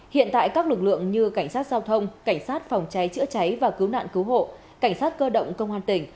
hiện tại các lực lượng như cảnh sát giao thông cảnh sát phòng cháy chữa cháy và cứu nạn cứu hộ cảnh sát cơ động công an tỉnh